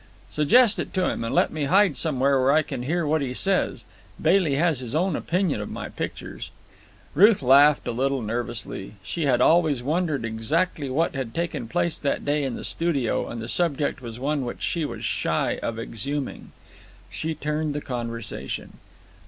"Suggest it to him, and let me hide somewhere where I can hear what he says. Bailey has his own opinion of my pictures." Ruth laughed a little nervously. She had always wondered exactly what had taken place that day in the studio, and the subject was one which she was shy of exhuming. She turned the conversation.